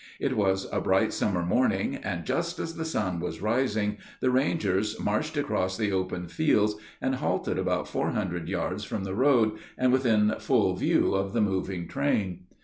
It was a bright summer morning, and just as the sun was rising the Rangers marched across the open fields and halted about four hundred yards from the road, and within full view of the moving train.